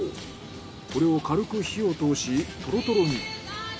これを軽く火を通しとろとろに。